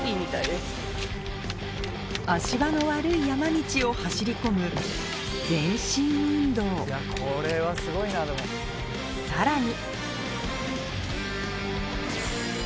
足場の悪い山道を走り込むさらに